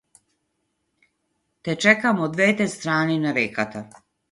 Те чекам од двете страни на реката.